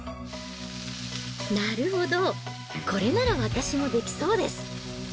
なるほど、これなら私もできそうです。